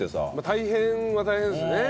大変は大変ですよね。